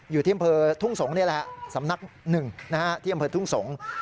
อยู่ที่อำเภอทุ่งสงศ์นี่แหละสำนักหนึ่งที่อำเภอทุ่งสงศ์